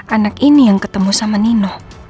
anak ini yang ketemu sama nino